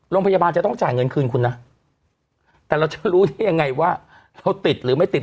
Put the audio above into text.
โรงพยาบาลจะต้องจ่ายเงินคืนคุณนะแต่เราจะรู้ได้ยังไงว่าเราติดหรือไม่ติด